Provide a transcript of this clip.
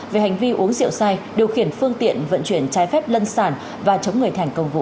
về hành vi uống rượu sai điều khiển phương tiện vận chuyển trái phép lân sản và chống người thành công vụ